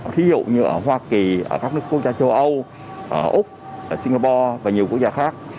ví dụ như ở hoa kỳ ở các nước quốc gia châu âu ở úc ở singapore và nhiều quốc gia khác